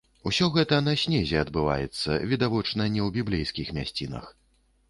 Усё гэта на снезе адбываецца, відавочна не ў біблейскіх мясцінах.